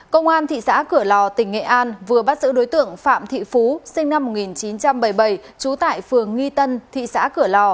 công an thị xã cửa lò tỉnh nghệ an vừa bắt giữ đối tượng phạm thị phú sinh năm một nghìn chín trăm bảy mươi bảy trú tại phường nghi tân thị xã cửa lò